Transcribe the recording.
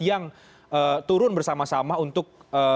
yang turun bersama sama untuk